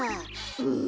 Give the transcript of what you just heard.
うん。